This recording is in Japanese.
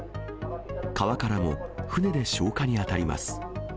川からも船で消火に当たります。